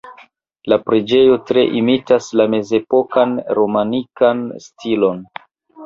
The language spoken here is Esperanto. La preĝejo tre imitas la mezepokan romanikan stilon.